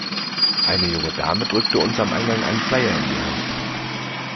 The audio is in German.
Eine junge Dame drückte uns am Eingang einen Flyer in die Hand.